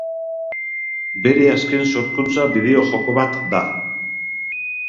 Bere azken sorkuntza bideojoko bat da.